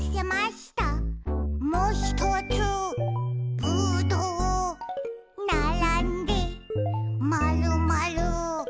「もひとつぶどう」「ならんでまるまる」